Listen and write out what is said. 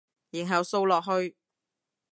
然後掃落去